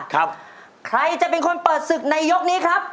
ใครจะเป็นคนเปิดศึกในยกนี้ครับ